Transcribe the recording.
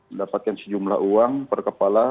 mendapatkan sejumlah uang per kepala